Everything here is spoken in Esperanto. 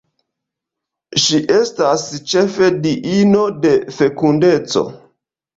Ŝi estas ĉefe diino de fekundeco.